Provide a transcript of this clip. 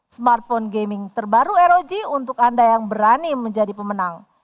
smartphone gaming terbaru rog untuk anda yang berani menjadi pemenang